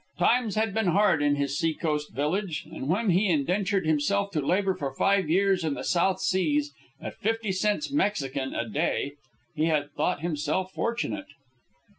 Times had been hard in his sea coast village, and when he indentured himself to labour for five years in the South Seas at fifty cents Mexican a day, he had thought himself fortunate.